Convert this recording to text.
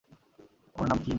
ওর নাম কিম।